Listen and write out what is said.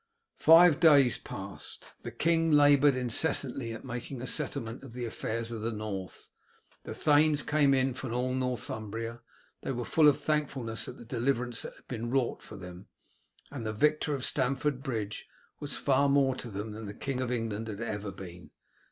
Five days passed. The king laboured incessantly at making a settlement of the affairs of the North. The thanes came in from all Northumbria. They were full of thankfulness at the deliverance that had been wrought for them, and the victor of Stamford Bridge was far more to them than the King of England had ever been.